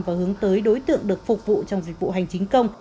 và hướng tới đối tượng được phục vụ trong dịch vụ hành chính công